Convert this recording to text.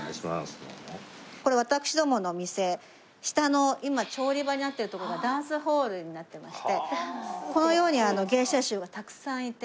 これ私どもの店下の今調理場になっている所がダンスホールになってましてこのように芸者衆がたくさんいて。